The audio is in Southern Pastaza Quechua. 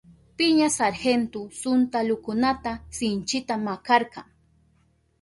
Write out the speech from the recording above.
Piña sargento suntalukunata sinchita makarka.